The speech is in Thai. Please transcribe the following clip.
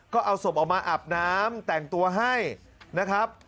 ก็เอาศพออกมาอาบน้ำแต่งตัวให้นะครับ